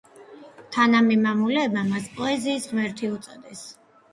თანამემამულეებმა მას პოეზიის ღმერთი უწოდეს.